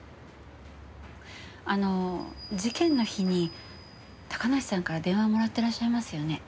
あの事件の日に高梨さんから電話もらってらっしゃいますよね？